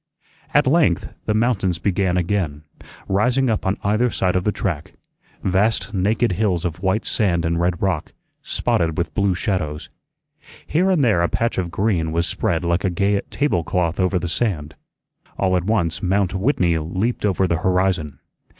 At length the mountains began again, rising up on either side of the track; vast, naked hills of white sand and red rock, spotted with blue shadows. Here and there a patch of green was spread like a gay table cloth over the sand. All at once Mount Whitney leaped over the horizon.